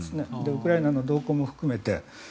ウクライナの動向も含めて。